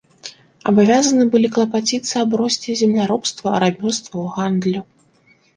Абавязаны былі клапаціцца аб росце земляробства, рамёстваў, гандлю.